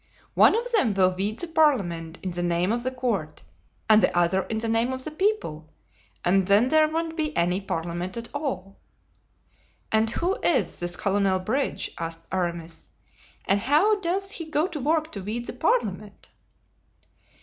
One of them will weed the parliament in the name of the court, and the other in the name of the people; and then there won't be any parliament at all." "And who is this Colonel Bridge?" asked Aramis, "and how does he go to work to weed the parliament?"